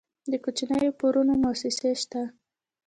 د کوچنیو پورونو موسسې شته؟